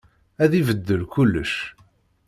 Ad ibeddel kullec.